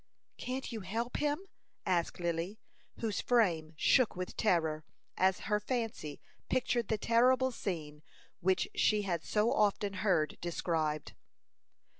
"Can't you help him?" asked Lily, whose frame shook with terror, as her fancy pictured the terrible scene which she had so often heard described.